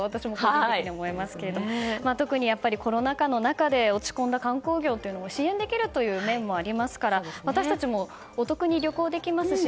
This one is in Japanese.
特にコロナ禍の中で落ち込んだ観光業を支援できるという面もありますから私たちもお得に旅行できますし